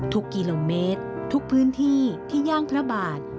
ทุกกิโลเมตรทุกพื้นที่ที่ย่างพระบาท